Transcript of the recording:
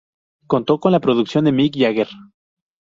Contó con la producción de Mick Jagger.